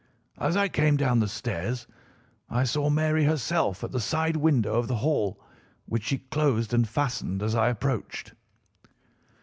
As I came down the stairs I saw Mary herself at the side window of the hall, which she closed and fastened as I approached.